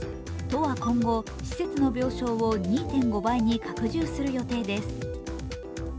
都は今後、施設の病床を２．５倍に拡充する予定です。